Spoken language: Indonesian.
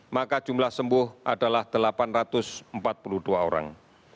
maka jumlah sembuh adalah delapan ratus empat puluh dua orang